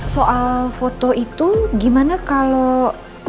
soal foto itu gimana kalau ibu surya